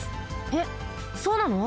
えっそうなの？